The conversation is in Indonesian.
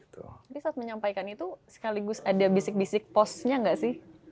tapi saat menyampaikan itu sekaligus ada bisik bisik posnya nggak sih